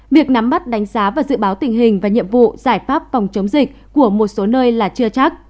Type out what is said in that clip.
việc nắm bắt đánh giá và dự báo tình hình và nhiệm vụ giải pháp phòng chống dịch của một số nơi là chưa chắc